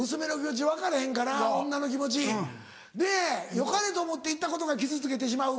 よかれと思って言ったことが傷つけてしまうことも。